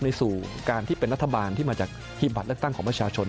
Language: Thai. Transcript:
สู่การที่เป็นรัฐบาลที่มาจากหีบบัตรเลือกตั้งของประชาชน